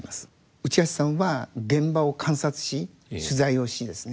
内橋さんは現場を観察し取材をしですね